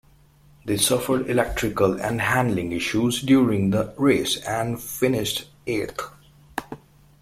They suffered electrical and handling issues during the race and finished eighth.